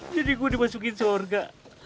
jadi gue dimasukin sorga